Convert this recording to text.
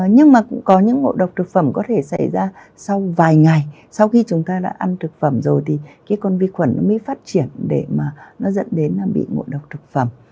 nhưng mà cũng có những ngộ độc thực phẩm có thể xảy ra sau vài ngày sau khi chúng ta đã ăn thực phẩm rồi thì cái con vi khuẩn nó mới phát triển để mà nó dẫn đến là bị ngộ độc thực phẩm